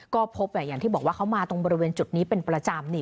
ก็พบอย่างที่บอกว่าเขามาตรงบริเวณจุดนี้เป็นประจำ